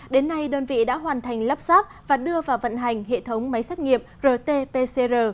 đến nay đơn vị đã hoàn thành lắp sáp và đưa vào vận hành hệ thống máy xét nghiệm rt pcr